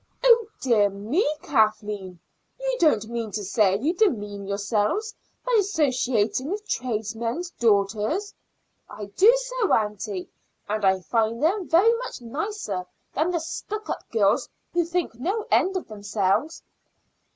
"Oh, dear me, Kathleen! You don't mean to say you demean yourself by associating with tradesmen's daughters?" "I do so, aunty; and I find them very much nicer than the stuck up girls who think no end of themselves."